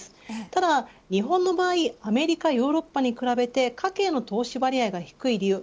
ただ日本の場合アメリカ、ヨーロッパに比べて家計の投資割合が低い理由